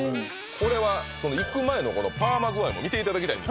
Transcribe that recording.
これはその行く前のパーマ具合も見ていただきたいあっ